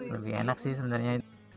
lebih enak sih sebenarnya